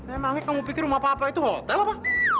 emangnya kamu pikir rumah papa itu hotel apa